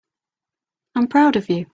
I'm proud of you.